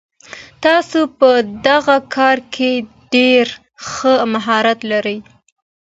تاسو په دغه کار کي ډېر ښه مهارت لرئ.